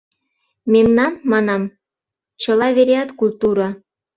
Мемнан, — манам, — чыла вереат культура!